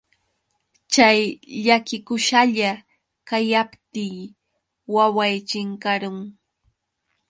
Chay llakikusalla kayaptiy waway chinkarun.